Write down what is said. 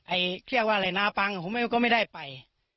เรียกว่าอะไรนะปังผมก็ไม่ได้ไป